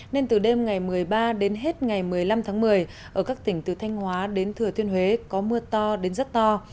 nên từ đêm ngày một mươi ba đến hết ngày một mươi năm tháng một mươi ở các tỉnh từ thanh hóa đến thừa thiên huế có mưa to đến rất to